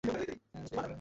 ক্যামেরার জন্য ফোন দেইনি!